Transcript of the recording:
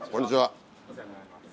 お世話になります。